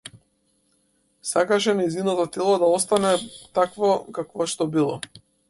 Сакаше нејзиното тело да остане такво какво што било.